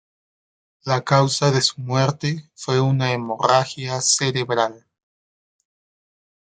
La causa de su muerte fue una hemorragia cerebral.